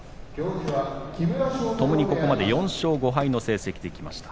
ともにここまで４勝５敗の成績できました。